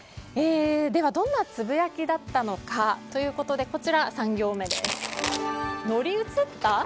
では、どんなつぶやきだったのかということで３行目乗り移った？